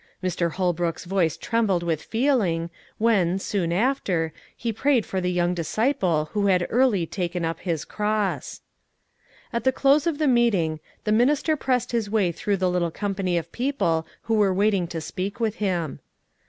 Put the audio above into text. Mr. Holbrook's voice trembled with feeling, when, soon after, he prayed for the young disciple who had early taken up his cross. At the close of the meeting, the minister pressed his way through the little company of people who were waiting to speak with him.